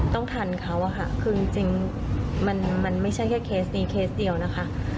ต้องทันเขาอะค่ะคือจริงมันไม่ใช่แค่เคสนี้เคสเดียวนะคะ